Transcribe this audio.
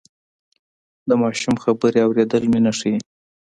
د ماشوم خبرې اورېدل مینه ښيي.